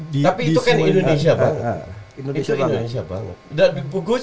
tapi itu kan indonesia banget